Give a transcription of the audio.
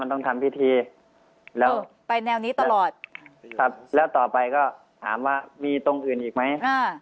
ต้องทำพิธีแล้วไปแนวนี้ตลอดครับแล้วต่อไปก็ถามว่ามีตรงอื่นอีกไหม